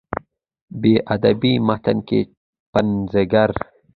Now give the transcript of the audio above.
په ادبي متن کې پنځګر